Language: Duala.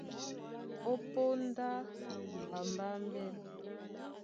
Ó póndá ɓambámbɛ́,